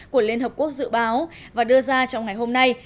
của liên hợp quốc dự báo và đưa ra trong ngày hôm nay